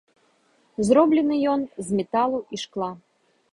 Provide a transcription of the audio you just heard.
Зроблены ён з металу і шкла.